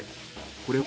これは？